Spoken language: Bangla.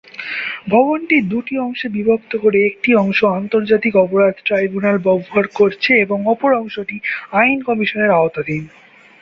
ভবনটি দুটি অংশে বিভক্ত করে একটি অংশ আন্তর্জাতিক অপরাধ ট্রাইব্যুনাল ব্যবহার করছে এবং অপর অংশটি আইন কমিশনের আওতাধীন।